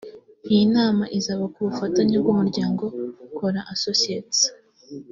Iyi nama izaba ku bufatanye bw’Umuryango Kora Associates